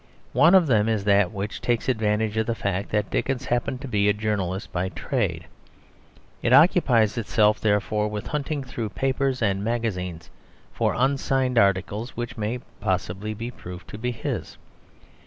One of them is that which takes advantage of the fact that Dickens happened to be a journalist by trade. It occupies itself therefore with hunting through papers and magazines for unsigned articles which may possibly be proved to be his.